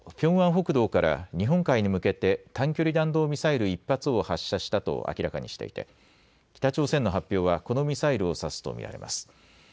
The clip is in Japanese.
北道から日本海に向けて短距離弾道ミサイル１発を発射したと明らかにしていて北朝鮮の発表はこのミサイルを指すと見られます。